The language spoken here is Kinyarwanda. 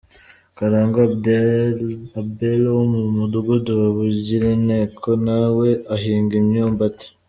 Karangwa Abel wo mu mudugudu wa Bugirinteko na we ahinga imyumbati.